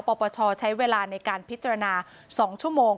ปปชใช้เวลาในการพิจารณา๒ชั่วโมง